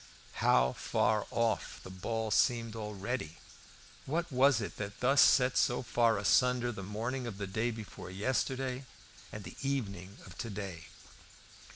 How far off the ball seemed already! What was it that thus set so far asunder the morning of the day before yesterday and the evening of to day?